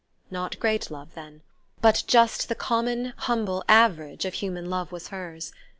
Not great love, then... but just the common humble average of human love was hers.